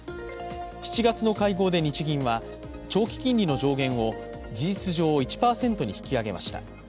７月の会合で日銀は長期金利の上限を事実上、１％に引き上げました。